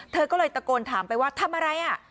เธอก็เลยตะโกนถามไปว่าทำอะไรอ่ะ